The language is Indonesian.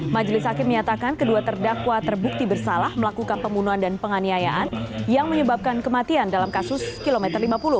majelis hakim menyatakan kedua terdakwa terbukti bersalah melakukan pembunuhan dan penganiayaan yang menyebabkan kematian dalam kasus kilometer lima puluh